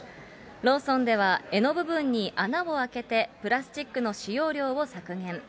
ローソンでは、柄の部分に穴を開けて、プラスチックの使用量を削減。